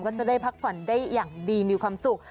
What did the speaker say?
ก็จะได้พักผ่อนได้อย่างดีมีความสุข